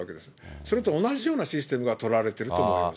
それと同じようなシステムが取られてると思います。